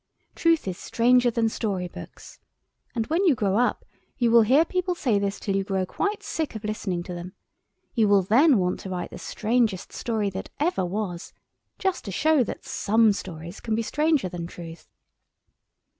Truth is stranger than story books, and when you grow up you will hear people say this till you grow quite sick of listening to them: you will then want to write the strangest story that ever was—just to show that some stories can be stranger than truth.